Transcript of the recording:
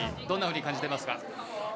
どんなふうに感じてますか。